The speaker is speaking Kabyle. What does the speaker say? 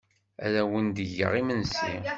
Ad awen-d-geɣ imensi.